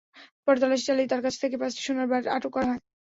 পরে তল্লাশি চালিয়ে তাঁর কাছ থেকে পাঁচটি সোনার বার আটক করা হয়।